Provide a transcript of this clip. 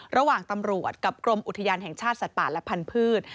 ระหว่างตำรวจกับกรมอุทยานแห่งชาติสัตว์ป่าและพันธุ์